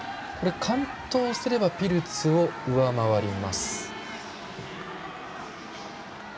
完登すればピルツを上回ります。